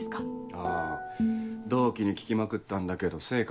あぁ同期に聞きまくったんだけど成果